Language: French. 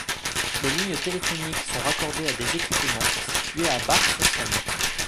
Les lignes téléphoniques sont raccordées à des équipements situés à Bar-sur-Seine.